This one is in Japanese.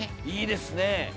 いいですねえ！